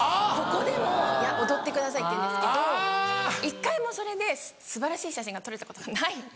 「ここでも踊ってください」って言うんですけど１回もそれで素晴らしい写真が撮れたことがない。